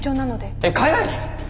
えっ海外に？